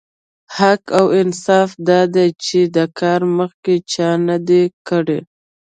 حق او انصاف دا دی چې دا کار مخکې چا نه دی کړی.